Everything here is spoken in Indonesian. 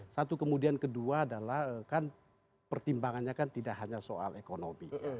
satu kemudian kedua adalah kan pertimbangannya kan tidak hanya soal ekonomi